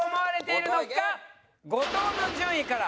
後藤の順位から。